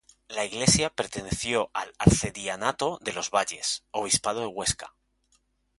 La iglesia perteneció al arcedianato de los valles, obispado de Huesca.